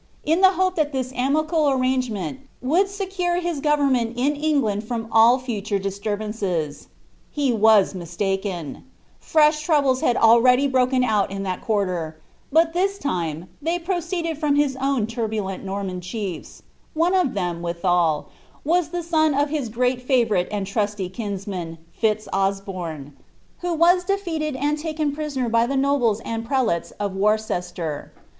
fi the hope tliat tliia amicable arrangemeut would secure his ' iMiuBient in England from all future disturbances. He was mistaken : nih troubles had already broken out in that quarter, but this lime they )racMil«l from his own tnrbulent Norman chiefs; one of them, willul, w» Iha eon of his great ftvourite and trusty kinsman, Filz Osbom ; who *Mdef(vted and taken prisoner* by the nobles aud prelates of Worcester.